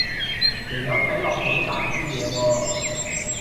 條友睇落好大枝野喎